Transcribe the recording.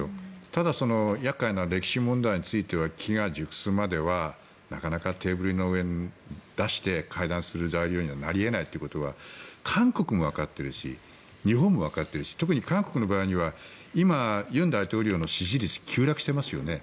ただ厄介な歴史問題については機が熟すまではなかなかテーブルの上に出して会談する材料にはなり得ないということは韓国もわかっているし日本もわかっているし特に韓国の場合には今、尹大統領の支持率が急落してますよね。